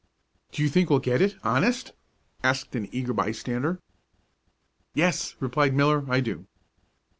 "Do you think we'll get it, honest?" asked an eager bystander. "Yes," replied Miller, "I do."